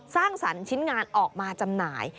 สร้างสรรค์ชิ้นงานออกมาจำหน่าย